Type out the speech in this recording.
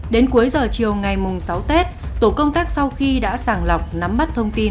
đến cuối giờ chiều ngày sáu tết tổ công tác sau khi đã sàng lọc nắm bắt thông tin